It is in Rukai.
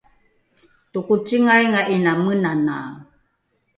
tokocingainga ’ina menanae